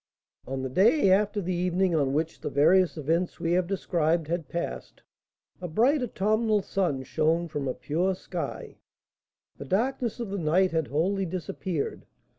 On the day after the evening on which the various events we have described had passed, a bright autumnal sun shone from a pure sky; the darkness of the night had wholly disappeared.